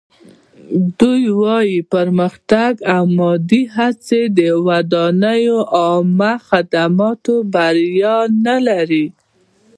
دوی وايي پرمختګ او مادي هڅې د ودانۍ او عامه خدماتو بریا نه لري.